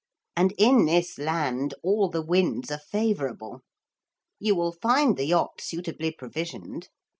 And in this land all the winds are favourable. You will find the yacht suitably provisioned.